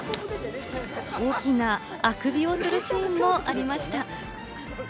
大きなあくびをするシーンもありました。